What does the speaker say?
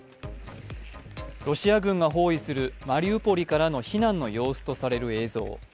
ロシア軍が包囲するマリウポリからの避難の様子とされる映像。